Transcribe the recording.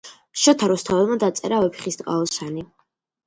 შოთა რუსთაველმა დაწერა ვეფხისტყაოსანი